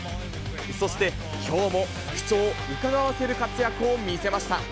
そして、きょうも復調をうかがわせる活躍を見せました。